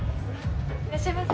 いらっしゃいませ。